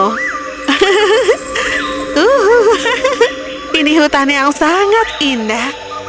hahaha ini hutan yang sangat indah